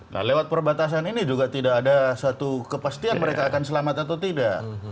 nah lewat perbatasan ini juga tidak ada satu kepastian mereka akan selamat atau tidak